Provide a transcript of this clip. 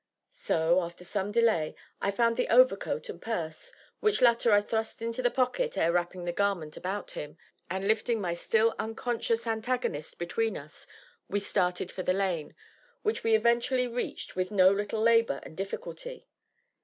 So, after some delay, I found the overcoat and purse (which latter I thrust into the pocket ere wrapping the garment about him), and lifting my still unconscious antagonist between us, we started for the lane; which we eventually reached, with no little labor and difficulty.